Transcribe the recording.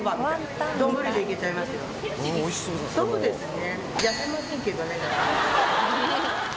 そうですね。